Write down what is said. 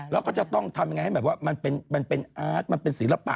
แล้วก็จะต้องทำยังไงให้แบบว่ามันเป็นอาร์ตมันเป็นศิลปะ